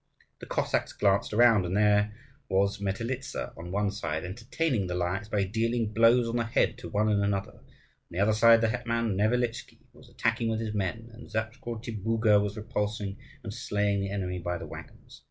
The Cossacks glanced around, and there was Metelitza on one side, entertaining the Lyakhs by dealing blows on the head to one and another; on the other side, the hetman Nevelitchkiy was attacking with his men; and Zakrutibuga was repulsing and slaying the enemy by the waggons.